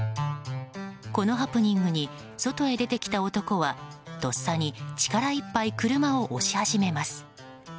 このハプニングに外へ出てきた男はとっさに力いっぱい車を押し始めます。